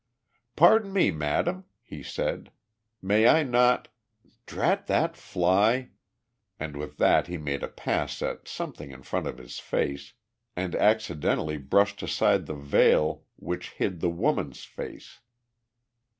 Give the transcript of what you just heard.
"Pardon me, madam," he said, "may I not Drat that fly!" and with that he made a pass at something in front of his face and accidentally brushed aside the veil which hid the woman's face.